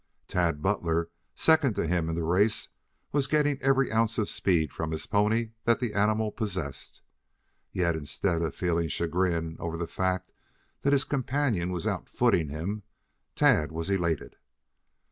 Tad Butler, second to him in the race, was getting every ounce of speed from his pony that the animal possessed. Yet instead of feeling chagrin over the fact that his companion was out footing him, Tad was elated.